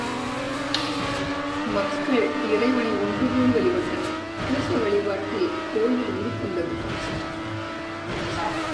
மக்கள் இறைவனை ஒன்றுகூடி, வழிபட்டனர், கூட்ட வழிபாட்டில் கோயில் உருக்கொண்டது.